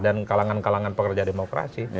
dan kalangan kalangan pekerja demokrasi